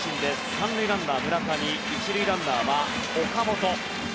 ３塁ランナーは村上１塁ランナーは岡本。